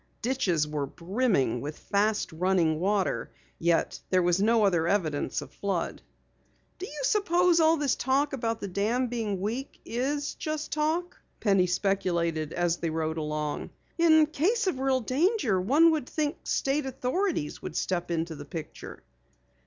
Ditches were brimming with fast running water, yet there was no other evidence of flood. "Do you suppose all this talk about the dam being weak is just talk?" Penny speculated as they rode along. "In case of real danger one would think State authorities would step into the picture."